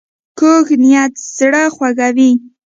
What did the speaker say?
کوږ نیت زړه خوږوي